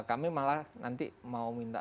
kami malah nanti mau minta